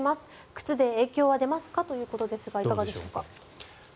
靴で影響は出ますか？ということですがいかがでしょうか。